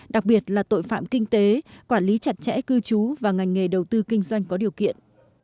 đặc biệt là tội phạm kinh tế quản lý chặt chẽ cư trú và ngành nghề đầu tư kinh doanh có điều kiện